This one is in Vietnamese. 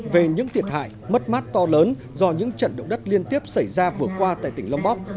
về những thiệt hại mất mát to lớn do những trận động đất liên tiếp xảy ra vừa qua tại tỉnh long bóc